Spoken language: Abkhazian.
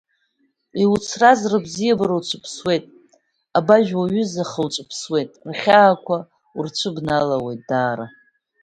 Иуцраз рыбзиабара уцәыԥсуеит, абажә уаҩызаха уҵәыԥсуеит, рхьаақәа урцәыбналауеит даара.